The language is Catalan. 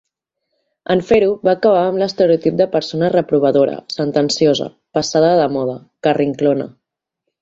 En fer-ho, va acabar amb l'estereotip de persona reprovadora, sentenciosa, passada de moda, carrinclona.